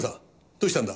どうしたんだ？